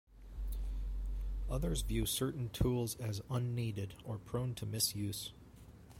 Others view certain tools as unneeded or prone to misuse.